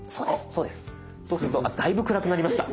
そうするとだいぶ暗くなりました。